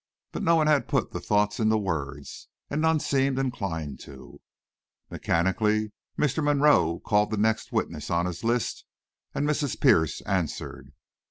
But no one had put the thought into words, and none seemed inclined to. Mechanically, Mr. Monroe called the next witness on his list, and Mrs. Pierce answered.